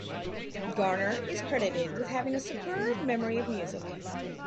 Garner is credited with having a superb memory of music.